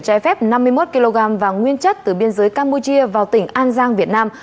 trái phép năm mươi một kg vàng nguyên chất từ biên giới campuchia vào tỉnh an giang việt nam